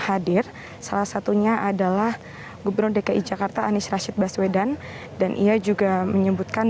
hadir salah satunya adalah gubernur dki jakarta anies rashid baswedan dan ia juga menyebutkan